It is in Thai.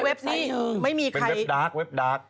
เป็นเว็บดาร์ก